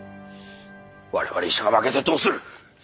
我々医者が負けてどうする！